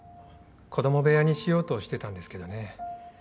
子供部屋にしようとしてたんですけどね。